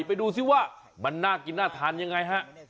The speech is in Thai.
ไปดูซิว่ามันน่ากินน่าทานยังไงฮะ